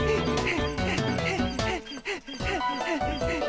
はあはあはあはあ。